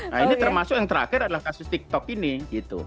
nah ini termasuk yang terakhir adalah kasus tiktok ini gitu